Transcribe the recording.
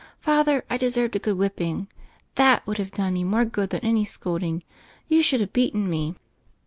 Father, I deserved a good whipping: that would have done me more good than any scolding. You should have beaten me."